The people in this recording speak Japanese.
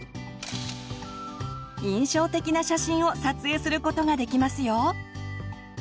印象的な写真を撮影することができますよ！